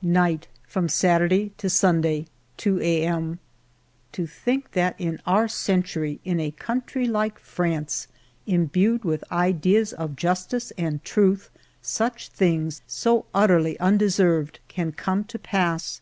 Night from Saturday to Sunday ^ 1 A,M, To think that in our century, in a country like France, imbued with ideas of justice and truth, such things, so utterly undeserved, can come to pass.